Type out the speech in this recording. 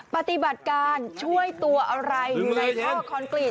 ปฏิบัติการช่วยตัวอะไรอยู่ในท่อคอนกรีต